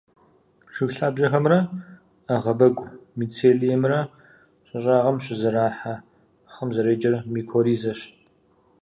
Жыг лъабжьэхэмрэ ӏэгъэбэгу мицелиимрэ щӏы щӏыгъым щызэрахъэ хъым зэреджэр микоризэщ.